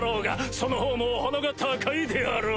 そのほうも鼻が高いであろう？